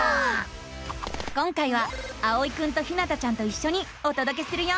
今回はあおいくんとひなたちゃんといっしょにおとどけするよ。